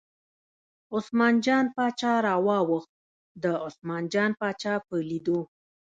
عثمان جان باچا راواوښت، د عثمان جان باچا په لیدو.